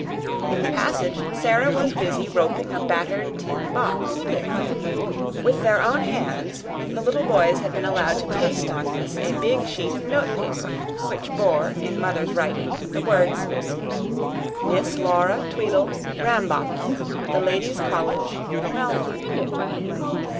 In the passage, Sarah was busy roping a battered tin box. With their own hands the little boys had been allowed to paste on this a big sheet of notepaper, which bore, in Mother's writing, the words: Miss Laura Tweedle Rambotham The Ladies' College Melbourne.